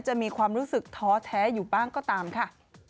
จะมีความรู้สึกท้อแท้อยู่บ้างก็ตามค่ะ